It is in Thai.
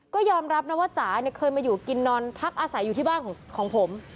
ก็ยอมรับนะว่าจ๋าเนี่ยเคยมาอยู่กินนอนพักอาศัยอยู่ที่บ้านของผม